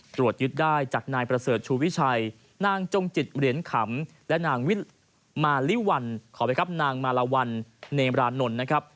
ตรวจยึดได้จากนายประเสริฐชูวิชัยนางจงจิตเหรียญขำและนางมาริวัลขอไปครับนางมาลาวัลเนมรานนท์นะครับ